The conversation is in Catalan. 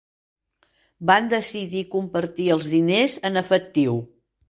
Van decidir compartir els diners en efectiu.